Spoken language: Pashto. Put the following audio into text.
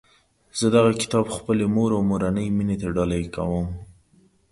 زه دغه کتاب خپلي مور او مورنۍ میني ته ډالۍ کوم